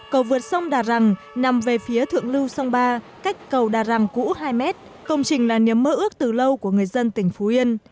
cầu vượt sông đà rằng nằm về phía thượng lưu sông ba cách cầu đà răng cũ hai mét công trình là niềm mơ ước từ lâu của người dân tỉnh phú yên